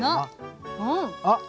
あっ。